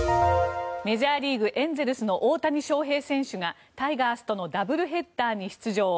メジャーリーグエンゼルスの大谷翔平選手がタイガースとのダブルヘッダーに出場。